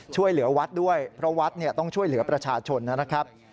ช่วยเหลือวัดด้วยเพราะวัดต้องช่วยเหลือประชาชนนะครับ